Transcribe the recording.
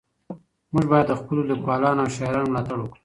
موږ باید د خپلو لیکوالانو او شاعرانو ملاتړ وکړو.